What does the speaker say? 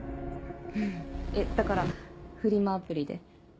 フフいやだからフリマアプリで。